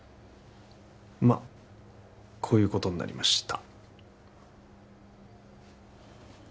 まっこういうことになりました